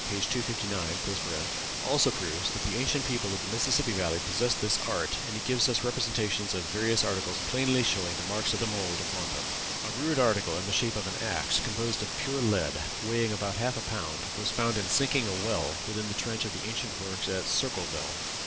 259) also proves that the ancient people of the Mississippi Valley possessed this art, and he gives us representations of various articles plainly showing the marks of the mould upon them. A rude article in the shape of an axe, composed of pure lead, weighing about half a pound, was found in sinking a well within the trench of the ancient works at Circleville.